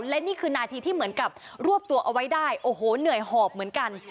และนี่คือนาทีที่เหมือนกับรวบตัวเอาไว้ได้โอ้โหเหนื่อยหอบเหมือนกัน